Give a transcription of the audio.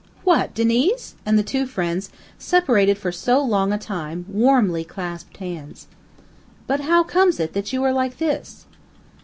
"What, Diniz!" and the two friends, separated for so long a time, warmly clasped hands. "But how comes it that you are like this?"